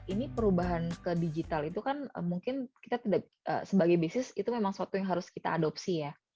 ini perubahan ke digital itu kan mungkin kita sebagai bisnis itu memang suatu yang harus kita adopsi ya